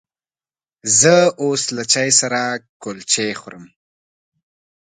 زه اوس له چای سره کلچې خورمه.